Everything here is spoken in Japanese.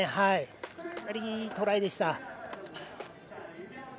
いいトライでした。